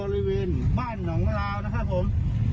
อันนี้บริเวณบ้านของราวนะครับผม